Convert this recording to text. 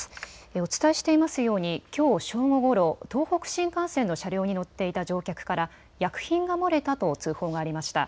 お伝えしていますようにきょう正午ごろ、東北新幹線の車両に乗っていた乗客から薬品が漏れたと通報がありました。